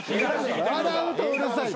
笑うとうるさい。